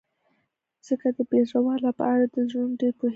ځکه د بې زړه والاو په اړه تر زړورو ډېر پوهېده.